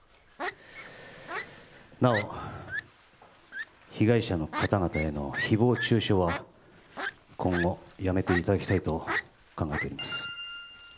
なお、被害者の方々への誹謗中傷は今後、やめていただきたいと考えております。